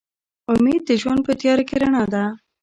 امید د ژوند په تیاره کې رڼا ده.